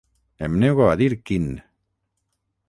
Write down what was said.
Em nego a dir quin!